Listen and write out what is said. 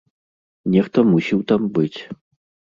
Нехта мусіў там быць.